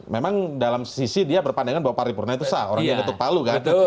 memang dalam sisi dia berpandangan bahwa paripurna itu sah orangnya betul betul